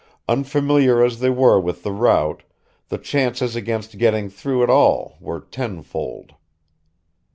Unfamiliar as they were with the route, the chances against getting through at all were tenfold.